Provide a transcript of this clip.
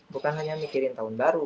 bukan hanya mikirin tahun baru